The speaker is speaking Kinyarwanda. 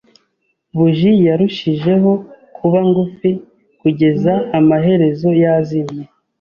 Buji yarushijeho kuba ngufi, kugeza amaherezo yazimye.